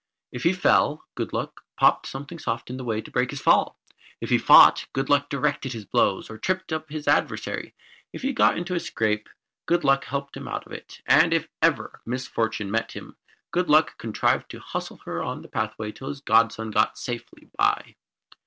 If he fell, Good Luck popped something soft in the way to break his fall; if he fought, Good Luck directed his blows, or tripped up his adversary; if he got into a scrape, Good Luck helped him out of it; and if ever Misfortune met him, Good Luck contrived to hustle her on the pathway till his godson got safely by.